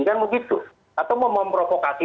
atau mau memprovokasi